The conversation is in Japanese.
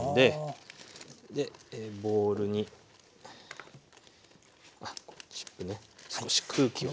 ボウルにジップで少し空気を。